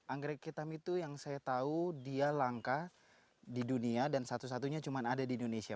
anggrek hitam itu yang saya tahu dia langka di dunia dan satu satunya cuma ada di indonesia